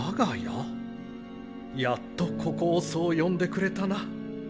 やっとここをそう呼んでくれたな。